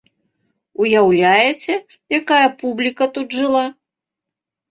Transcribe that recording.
Уяўляеце, якая публіка тут жыла?